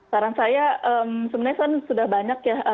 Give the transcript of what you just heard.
saran saya sebenarnya kan sudah banyak ya